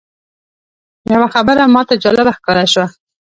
یوه خبره ماته جالبه ښکاره شوه.